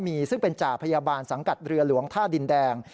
มีซึ่งเป็นจ่าพยาบาลสังกัดเรือหลวงท่าดินแดง